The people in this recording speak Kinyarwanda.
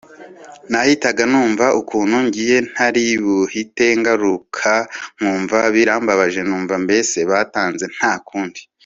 nahitaga numva ukuntu ngiye ntaribuhite mpagaruka nkumva birambabaje numva mbese bantanze nta kundi